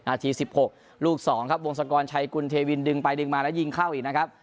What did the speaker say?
๑๖ลูก๒ครับวงศกรชัยกุลเทวินดึงไปดึงมาแล้วยิงเข้าอีกนะครับ